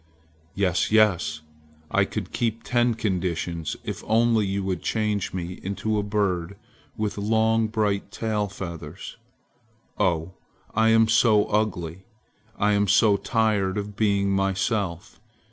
"Yes! yes! I could keep ten conditions if only you would change me into a bird with long, bright tail feathers. Oh, I am so ugly! I am so tired of being myself!